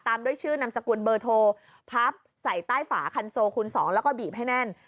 ด้วยชื่อนามสกุลเบอร์โทรพับใส่ใต้ฝาคันโซคูณ๒แล้วก็บีบให้แน่น